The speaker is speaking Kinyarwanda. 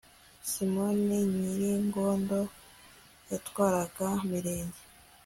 Simoni Nyiringondo yatwaraga Mirenge